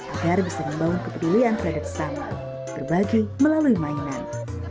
agar bisa membangun kepedulian terhadap sesama berbagi melalui mainan